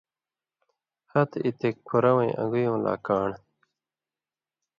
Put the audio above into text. ہتہۡ یی تے کُھرہ وَیں ان٘گُویوں لا کان٘ڑ،